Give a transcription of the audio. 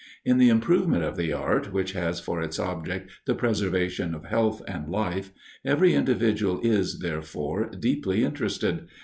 In the improvement of the art which has for its object the preservation of health and life, every individual is, therefore, deeply interested.